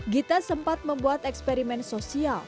gita sempat membuat eksperimen sosial